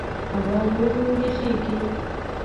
هوا ورو ورو یخېږي.